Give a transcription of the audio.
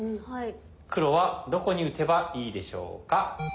黒はどこに打てばいいでしょうか？